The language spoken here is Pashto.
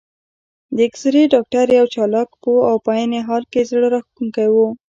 د اېکسرې ډاکټر یو چالاک، پوه او په عین حال کې زړه راښکونکی و.